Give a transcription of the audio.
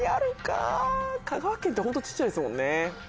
香川県ってホント小っちゃいですもんね。